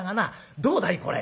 どうだい？これ」。